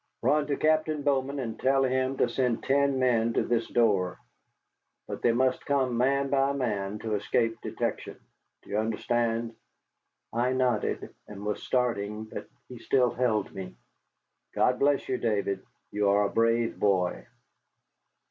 "Run to Captain Bowman and tell him to send ten men to this door. But they must come man by man, to escape detection. Do you understand?" I nodded and was starting, but he still held me. "God bless you, Davy, you are a brave boy."